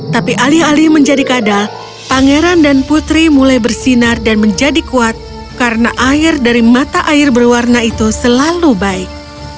tapi alih alih menjadi kadal pangeran dan putri mulai bersinar dan menjadi kuat karena air dari mata air berwarna itu selalu baik